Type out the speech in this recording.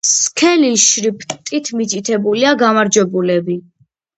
სქელი შრიფტით მითითებულია გამარჯვებულები.